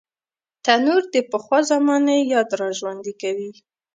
تنور د پخوا زمانې یاد راژوندي کوي